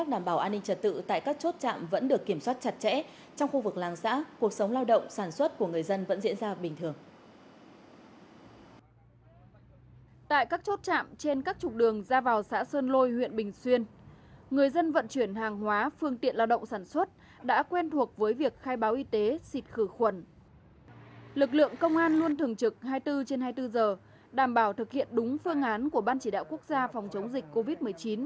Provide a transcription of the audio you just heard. lực lượng công an luôn thường trực hai mươi bốn trên hai mươi bốn giờ đảm bảo thực hiện đúng phương án của ban chỉ đạo quốc gia phòng chống dịch covid một mươi chín